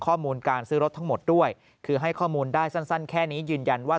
ข้อมูลการซื้อรถทั้งหมดด้วยคือให้ข้อมูลได้สั้นแค่นี้ยืนยันว่า